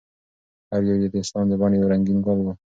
هر یو یې د اسلام د بڼ یو رنګین ګل و.